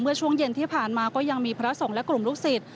ช่วงเย็นที่ผ่านมาก็ยังมีพระสงฆ์และกลุ่มลูกศิษย